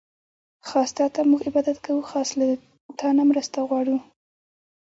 خاص تاته مونږ عبادت کوو، او خاص له نه مرسته غواړو